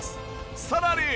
さらに！